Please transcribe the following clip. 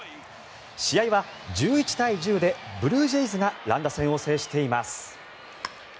試合は１１対１０でブルージェイズが乱打戦を制しています。